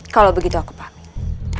kalau begitu aku pamit